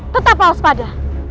tetap laus pada